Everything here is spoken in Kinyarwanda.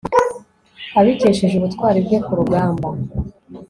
abikesheje ubutwari bwe ku rugamba